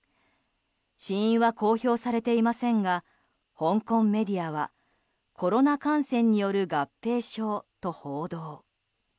死因は公表されていませんが香港メディアはコロナ感染による合併症と報道。